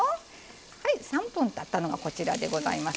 はい３分たったのがこちらでございます。